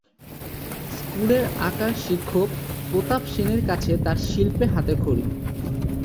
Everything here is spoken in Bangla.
স্কুলের আঁকার শিক্ষক প্রতাপ সেনের কাছে তার শিল্পে হাতেখড়ি।